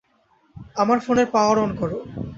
আমার ফোনের power on করো।